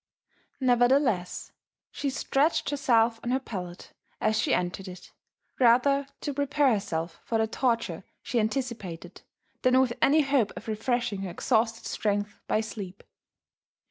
Nevertheless she stretched herself on her pallet as she entered it, rather to prepare herself for the torture she anticipated, than with any hope of refreshing her exhausted strength by sleep.